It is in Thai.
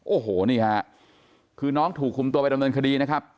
โอ้โหนี่ฮะคือน้องถูกคุมตัวไปดำเนินคดีนะครับ